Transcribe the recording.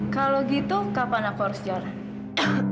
kalau gitu kapan aku harus jalan